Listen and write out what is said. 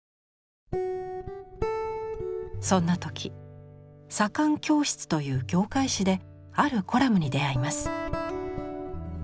そんな時「左官教室」という業界誌であるコラムに出会います。